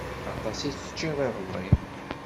Aṭas i teččiḍ iḍelli.